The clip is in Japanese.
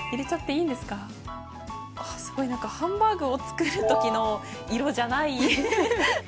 すごいハンバーグを作るときの色じゃない。